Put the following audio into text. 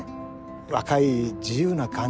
若い自由な感じ？